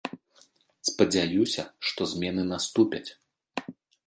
Спадзяюся, што змены наступяць.